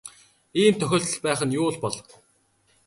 Ийм тохиолдол байх нь юу л бол.